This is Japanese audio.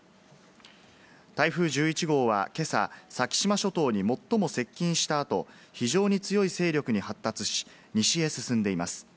台風１１号は今朝、先島諸島に最も接近した後、非常に強い勢力に発達し、西へ進んでいます。